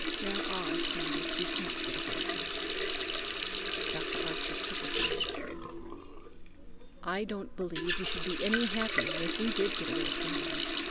There are standards we can't get away from." Dr. Archie took her hand. "I don't believe we should be any happier if we did get away from them.